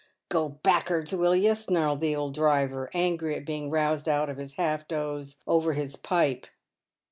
" Gro back'ards, will you !" snarled the old driver, angry at being roused out of his half doze over his pipe.